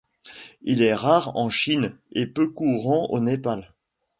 Elle est rare en Chine et peu courante au Népal.